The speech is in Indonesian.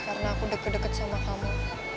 karena aku deket deket sama kamu